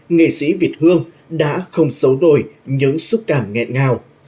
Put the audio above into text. nghệ sĩ việt hương đã không xấu đổi những xúc cảm nghẹn ngào